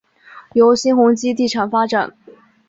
由新鸿基地产发展。